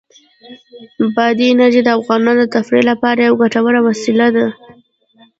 بادي انرژي د افغانانو د تفریح لپاره یوه ګټوره وسیله ده.